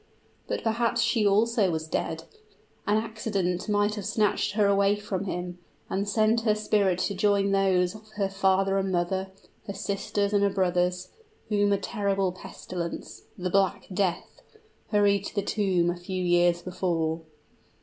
But perhaps she also was dead! An accident might have snatched her away from him, and sent her spirit to join those of her father and mother, her sisters and her brothers, whom a terrible pestilence the Black Death hurried to the tomb a few years before.